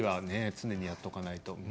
常にやっておかないと。